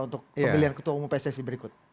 untuk pemilihan ketua umum pssi berikut